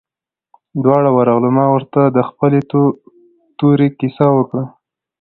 دواړه ورغلو ما ورته د خپلې تورې كيسه وكړه.